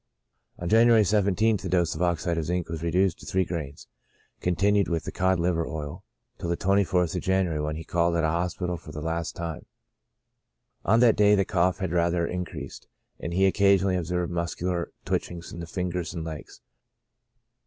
On January 17th the dose of oxide of zinc was reduced to three grains, continued with the cod liver oil till the 24th of January, when he called at the hospital TREATMENT. 121 for the last time. On that day the cough had rather in creased, and he occasionally observed muscular twitchings in the finger^ and legs.